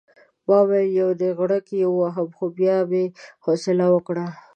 ما ویل یو نېغړک یې ووهم خو بیا مې حوصله وکړه.